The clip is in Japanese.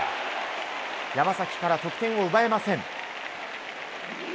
山崎から得点を奪えません。